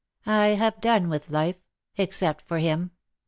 I have done with life, except for him.